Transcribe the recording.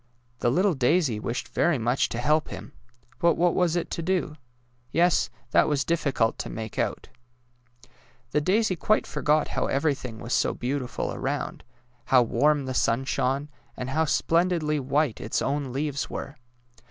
The little daisy wished very much to help him. But what was it to do? Yes, that was difficult to make out. THE DAISY 195 The daisy quite forgot how everything was so beautiful around, how warm the sun shone, and how splendidly white its own leaves were.